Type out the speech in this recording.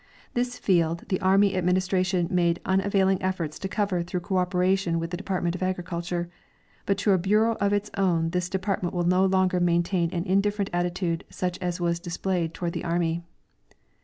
This field the army administration made unavailing efforts to cover through cooperation with the department of agriculture, but to a bureau of its own this depart ment will no longer maintain an indifi'erent attitude sucli as was displayed toward the army.